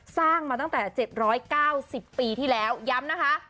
สร้างมาตั้งแต่๗๙๐ปีที่แล้วย้ำนะคะ